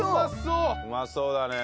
うまそうだね。